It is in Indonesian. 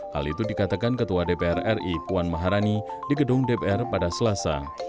hal itu dikatakan ketua dpr ri puan maharani di gedung dpr pada selasa